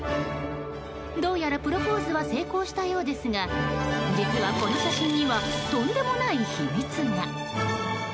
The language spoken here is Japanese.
どうやらプロポーズは成功したようですが実は、この写真にはとんでもない秘密が。